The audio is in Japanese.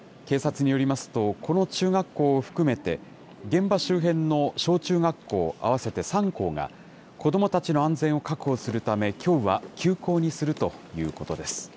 警察によりますと、この中学校を含めて、現場周辺の小中学校合わせて３校が子どもたちの安全を確保するため、きょうは休校にするということです。